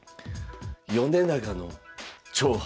「米長の挑発⁉」。